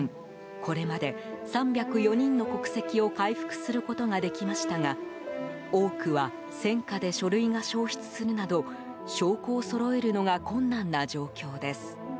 これまで３０４人の国籍を回復することができましたが多くは戦火で書類が焼失するなど証拠をそろえるのが困難な状況です。